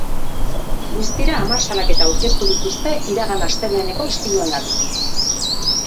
Guztira, hamar salaketa aurkeztu dituzte iragan asteleheneko istiluengatik.